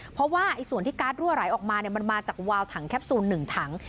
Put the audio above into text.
เพราะว่าส่วนที่การ์ดรั่วไหลออกมามันมาจากวาวถังแคปซูล๑ถัง